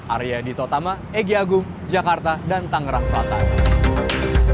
arya di totama egyagung jakarta dan tangerang selatan